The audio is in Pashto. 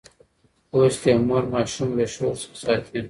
لوستې مور ماشوم له شور څخه ساتي.